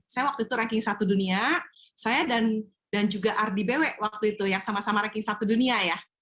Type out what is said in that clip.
saya waktu itu ranking satu dunia saya dan juga ardi bewe waktu itu yang sama sama ranking satu dunia ya